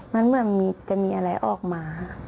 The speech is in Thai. มันเหมือนจะมีอะไรออกมา